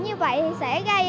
như vậy thì sẽ gây